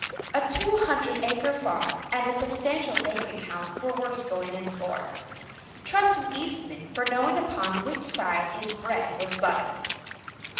A two hundred acre farm and a substantial bank account were worth going in for. Trust an Eastman for knowing upon which side his bread was buttered.